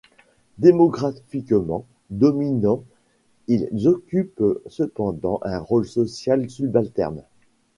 Démographiquement dominants ils occupent cependant un rôle social subalterne.